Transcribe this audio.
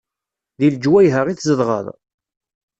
Deg leǧwayeh-a i tzedɣeḍ?